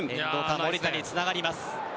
守田につながります。